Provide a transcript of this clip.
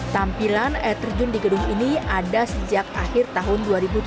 tampilan air terjun di gedung ini ada sejak akhir tahun dua ribu dua puluh